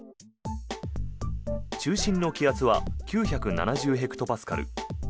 中心の気圧は９７０ヘクトパスカル。